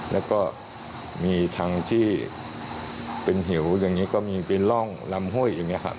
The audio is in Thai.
แล้วก็มีทางที่เป็นหิวอย่างนี้ก็มีเป็นร่องลำห้วยอย่างนี้ครับ